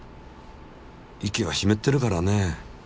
息はしめってるからね。